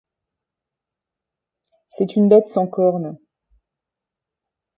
C'est une bête sans corne.